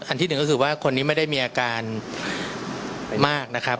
ที่หนึ่งก็คือว่าคนนี้ไม่ได้มีอาการมากนะครับ